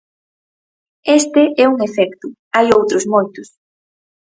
Este é un efecto, hai outros moitos.